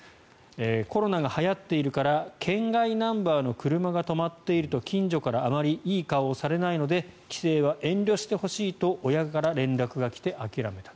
コロナがはやっているから県外ナンバーの車が止まっていると近所からあまりいい顔されないので帰省は遠慮してほしいと親から連絡が来て諦めた。